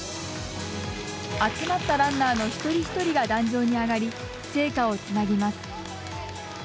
集まったランナーの一人一人が壇上に上がり、聖火をつなぎます。